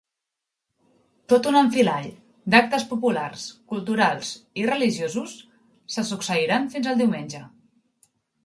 Tot un enfilall d'actes populars, culturals i religiosos se succeiran fins al diumenge.